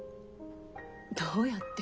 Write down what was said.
どうやって？